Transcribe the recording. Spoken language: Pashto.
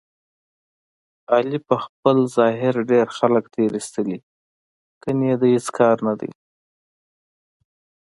علي په خپل ظاهر ډېر خلک تېر ایستلي، ګني د هېڅ کار نه دی.